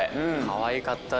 かわいかった。